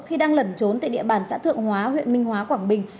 khi đang lẩn trốn tại địa bàn xã thượng hóa huyện minh hóa quảng bình